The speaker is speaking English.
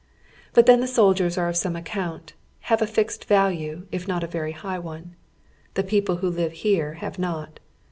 But then soldiers ai'e of some account, have a fixed value, if not a very high one. Tlie people who live here have not.